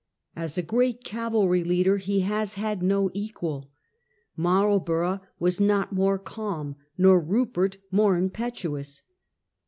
As a great cavalry leader he has had no equal. Marlborough was not more calm nor Rupert more impetuous.